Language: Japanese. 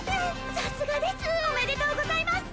さすがですおめでとうございます